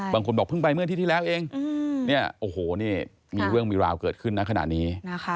บางคนบอกเพิ่งไปเมื่ออาทิตย์ที่แล้วเองเนี่ยโอ้โหนี่มีเรื่องมีราวเกิดขึ้นนะขณะนี้